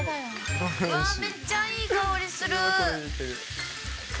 うわー、めっちゃいい香りする。